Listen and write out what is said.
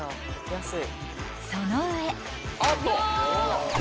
［その上］